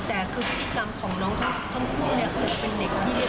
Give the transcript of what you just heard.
แต่คือพฤติกรรมของน้องเขาเป็นในแค่นี้